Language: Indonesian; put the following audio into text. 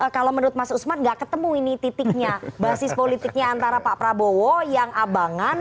kalau menurut mas usman gak ketemu ini titiknya basis politiknya antara pak prabowo yang abangan